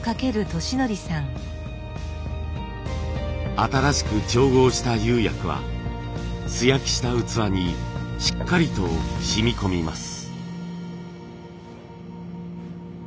新しく調合した釉薬は素焼きした器にしっかりと染み込みます。